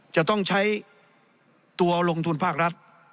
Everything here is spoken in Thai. จะต้องใช้ตัวลงทุนภาครัฐ